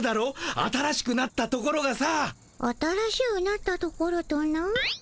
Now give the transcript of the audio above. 新しくなったところがさ。